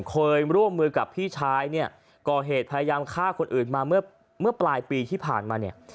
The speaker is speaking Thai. เคยร่วมมือกับพี่ชายเนี่ยก่อเหตุพยายามฆ่าคนอื่นมาเมื่อปลายปีที่ผ่านมาเนี่ย